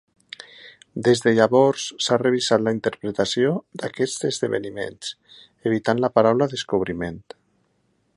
Des de llavors s'ha revistat la interpretació d'aquests esdeveniments, evitant la paraula descobriment.